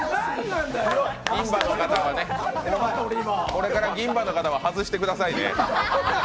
これから銀歯の方は外してくださいね。